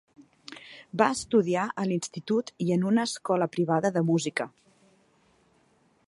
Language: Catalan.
Va estudiar a l'institut i en una escola privada de música.